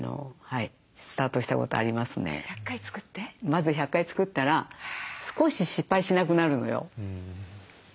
まず１００回作ったら少し失敗しなくなるのよ。